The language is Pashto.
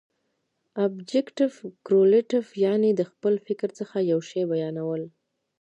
ابجګټف کورلیټف، یعني د خپل فکر څخه یو شي بیانول.